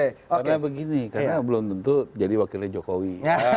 karena begini karena belum tentu jadi wakilnya jokowi